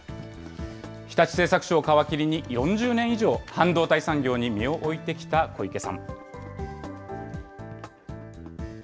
日立製作所を皮切りに、４０年以上半導体産業に身を置いてきた小池さん。